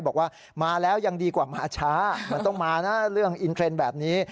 บอกว่ามาแล้วยังดีกว่ามาช้ามันต้องมานะเรื่องอินเทรนด์แบบนี้